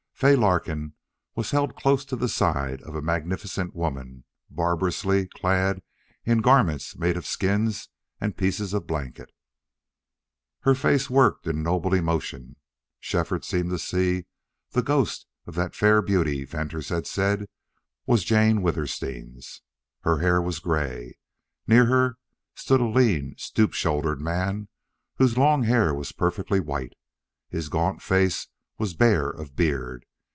Fay Larkin was held close to the side of a magnificent woman, barbarously clad in garments made of skins and pieces of blanket. Her face worked in noble emotion. Shefford seemed to see the ghost of that fair beauty Venters had said was Jane Withersteen's. Her hair was gray. Near her stood a lean, stoop shouldered man whose long hair was perfectly white. His gaunt face was bare of beard.